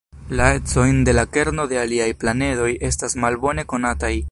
La ecojn de la kerno de aliaj planedoj estas malbone konataj.